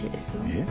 えっ？